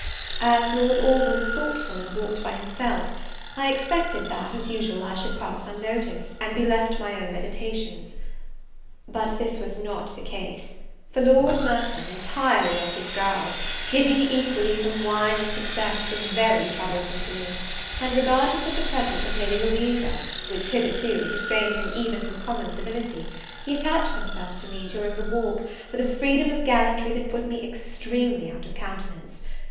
As Lord Orville was thoughtful, and walked by himself, I expected that, as usual, I should pass unnoticed, and be left to my own meditations: but this was not the case; for Lord Merton, entirely off his guard, giddy equally from wine and success, was very troublesome to me; and, regardless of the presence of Lady Louisa, which hitherto has restrained him even from common civility, he attached himself to me, during the walk, with a freedom of gallantry that put me extremely out of countenance.